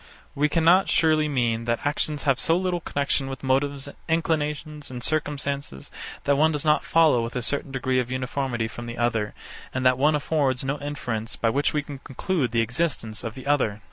We cannot surely mean that actions have so little connexion with motives, inclinations, and circumstances, that one does not follow with a certain degree of uniformity from the other, and that one affords no inference by which we can conclude the existence of the other.